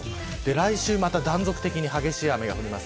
来週、また断続的に激しい雨が降ります。